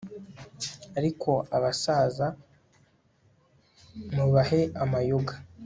Ati Abasaza mubahe amayoga